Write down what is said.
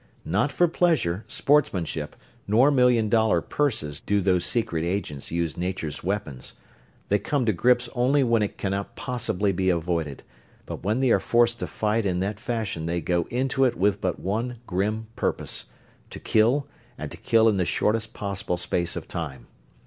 Not for pleasure, sportsmanship, nor million dollar purses do those secret agents use Nature's weapons. They come to grips only when it cannot possibly be avoided, but when they are forced to fight in that fashion they go into it with but one grim purpose to kill, and to kill in the shortest possible space of time.